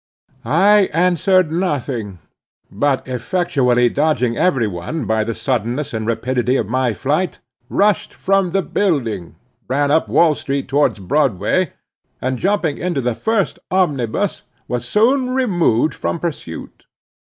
I answered nothing; but effectually dodging every one by the suddenness and rapidity of my flight, rushed from the building, ran up Wall street towards Broadway, and jumping into the first omnibus was soon removed from pursuit.